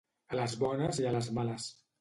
A les bones i a les males.